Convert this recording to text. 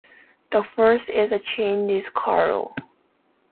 The fourth is a chain disk harrow.